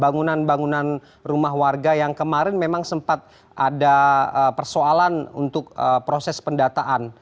bangunan bangunan rumah warga yang kemarin memang sempat ada persoalan untuk proses pendataan